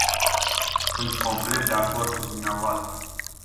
Sunt complet de acord cu dvs.